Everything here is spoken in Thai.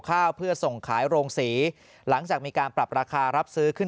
ข้าวเพื่อส่งขายโรงศรีหลังจากมีการปรับราคารับซื้อขึ้น